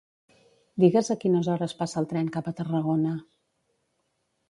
Digues a quines hores passa el tren cap a Tarragona.